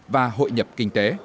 và hội nhập kinh tế